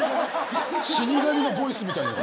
死に神のボイスみたいに。